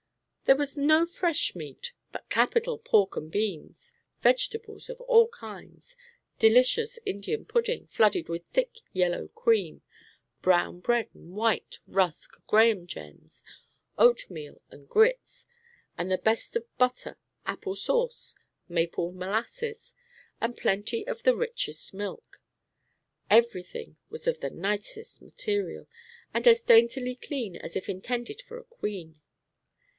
There was no fresh meat, but capital pork and beans, vegetables of all kinds, delicious Indian pudding, flooded with thick, yellow cream, brown bread and white, rusk, graham gems, oat meal and grits, with the best of butter, apple sauce, maple molasses, and plenty of the richest milk. Every thing was of the nicest material, and as daintily clean as if intended for a queen.